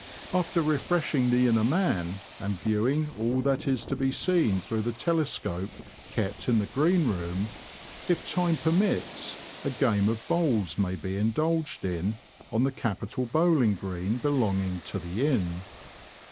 After refreshing the inner man, and viewing all that is to be seen through the telescope kept in the Green Room, if time permits, a game of bowls may be indulged in on the capital bowling green belonging to the Inn.